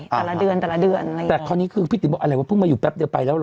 แต่ละเดือนแต่ละเดือนอะไรอย่างเงี้แต่คราวนี้คือพี่ติ๋บอกอะไรว่าเพิ่งมาอยู่แป๊บเดียวไปแล้วเหรอ